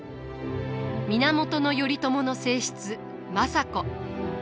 源頼朝の正室政子。